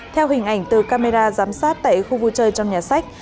theo hình ảnh từ camera giám sát tại khu vui chơi trong nhà sách